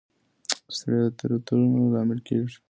ستړیا د تېروتنو لامل کېږي.